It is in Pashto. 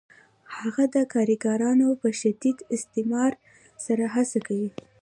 هغه د کارګرانو په شدید استثمار سره هڅه کوي